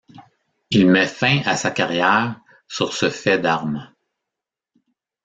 Il met fin à sa carrière sur ce fait d'armes.